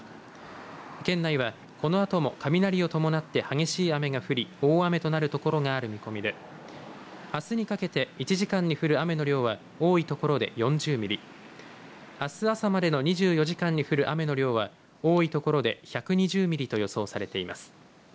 県内は、このあとも雷を伴って激しい雨が降り大雨となる所がある見込みであすにかけて１時間に降る雨の量は多い所で４０ミリ、あす朝までの２４時間に降る雨の量は多い所で１２０ミリと予想されています。